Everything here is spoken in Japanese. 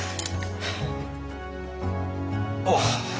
ああ。